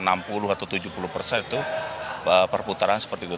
enam puluh atau tujuh puluh persen itu perputaran seperti itu